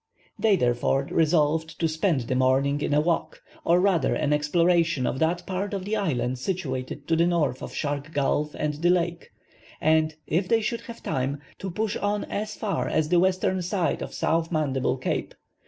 They therefore resolved to spend the morning in a walk, or rather an exploration of that part of the island situated to the north of Shark Gulf and the lake; and, if they should have time, to push on as far as the western side of South Mandible Cape.